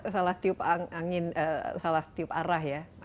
salah tiup arah